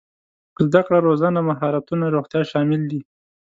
زده کړه روزنه مهارتونه روغتيا شامل دي.